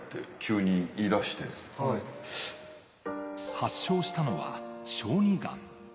発症したのは小児がん。